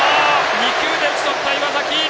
２球で打ち取った岩崎！